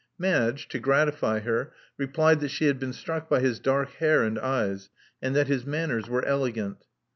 Madge, to gratify her, replied that she had been struck by his dark hair and eyes, and that his manners were elegant.